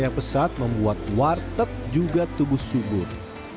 yang pesat membuat warteg juga tubuh subur